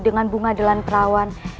dengan bunga delan perawan